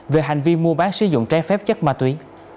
về hành vi mua bán sử dụng trái phép chất ma túy